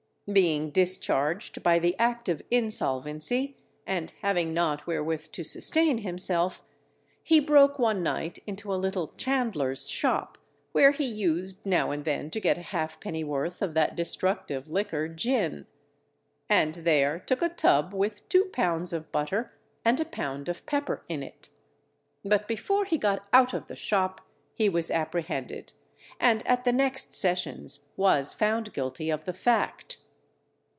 Being discharged by the Act of Insolvency, and having not wherewith to sustain himself, he broke one night into a little chandler's shop, where he used now and then to get a halfpenny worth of that destructive liquor gin; and there took a tub with two pounds of butter, and a pound of pepper in it. But before he got out of the shop he was apprehended, and at the next sessions was found guilty of the fact.